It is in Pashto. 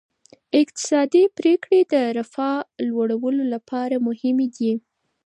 اقتصادي پریکړې د رفاه لوړولو لپاره مهمې دي.